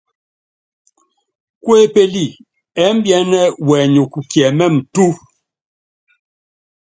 Kuépéli ɛ́mbiɛ́nɛ́ wɛnyɔk kiɛmɛ́m túu.